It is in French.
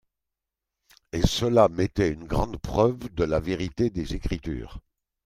Et celà m'était une grande preuve de la vérité des Écritures.